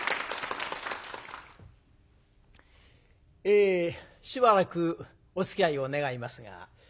えしばらくおつきあいを願いますが。